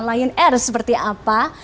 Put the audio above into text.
lion air seperti apa